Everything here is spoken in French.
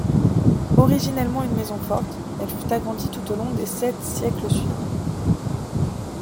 Originellement une maison forte, elle fut agrandie tout au long des sept siècles suivants.